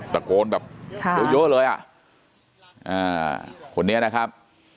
ตะโกนแบบเยอะเยอะเลยอ่ะคนนี้นะครับ